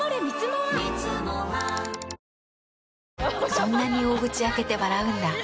そんなに大口開けて笑うんだ。